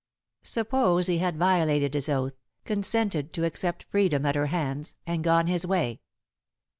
'" Suppose he had violated his oath, consented to accept freedom at her hands, and gone his way?